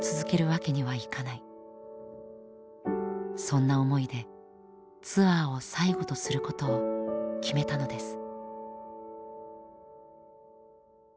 そんな思いでツアーを最後とすることを決めたのです。